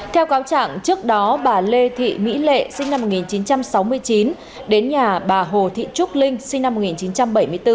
theo cáo trạng trước đó bà lê thị mỹ lệ sinh năm một nghìn chín trăm sáu mươi chín đến nhà bà hồ thị trúc linh sinh năm một nghìn chín trăm bảy mươi bốn